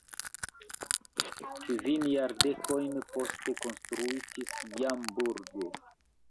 Kvin jardekojn poste konstruitis jam burgo.